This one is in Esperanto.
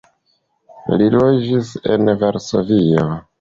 Li loĝis en Varsovio.